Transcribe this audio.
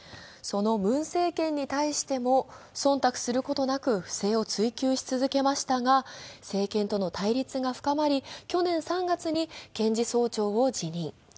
そのムン政権に対しても忖度することなく不正を追及し続けましたが、政権との対立が深まり、去年３月に検事総長を辞任。